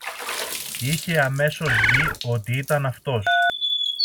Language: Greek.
Είχε αμέσως δει ότι ήταν αυτός.